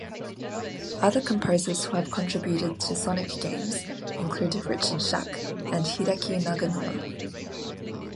Other composers who have contributed to "Sonic" games include Richard Jacques and Hideki Naganuma.